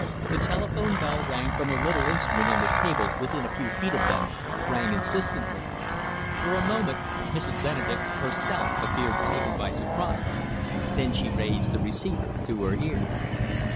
The telephone bell from the little instrument on the table within a few feet of them, rang insistently. For a moment Mrs. Benedek herself appeared taken by surprise. Then she raised the receiver to her ear.